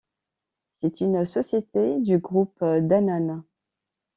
C'est une société du groupe Danone.